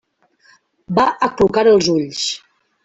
Va aclucar els ulls.